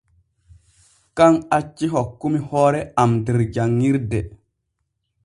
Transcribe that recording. Kan acci hokkumi hoore am der janŋirde.